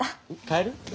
帰る？